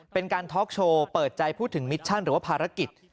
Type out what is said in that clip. เป็นการทอล์กโชว์เปิดใจพูดถึงมิชชั่นหรือว่าภารกิจ